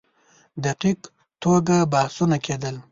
دقیق توګه بحثونه کېدل.